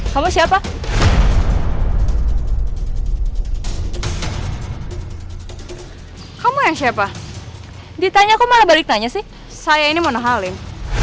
kamu siapa kamu yang siapa ditanya aku malah balik tanya sih saya ini mana halim